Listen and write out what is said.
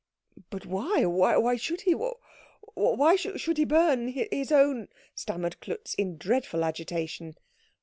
"But why? Why should he? Why should he burn his own " stammered Klutz, in dreadful agitation.